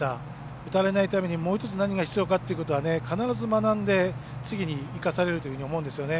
打たれないためにもう一つ何が必要かっていうことは必ず学んで次に生かされると思うんですよね。